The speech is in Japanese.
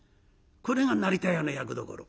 これが成田屋の役どころ。